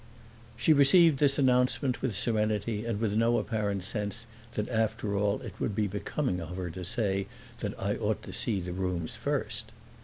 She received this announcement with serenity and with no apparent sense that after all it would be becoming of her to say that I ought to see the rooms first.